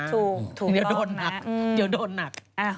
ถูกถูกต้องก